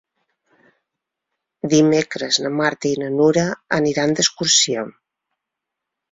Dimecres na Marta i na Nura aniran d'excursió.